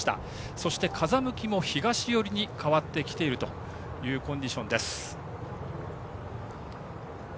そして風向きも東寄りに変わってきているコンディションです。